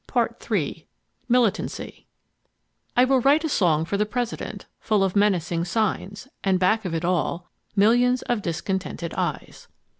Part III Militancy "I will write a song for the President, full of menacing signs, And back of it all, millions of discontented eyes."